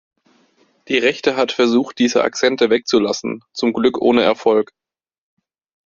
Die Rechte hat versucht, diese Akzente wegzulassen, zum Glück ohne Erfolg.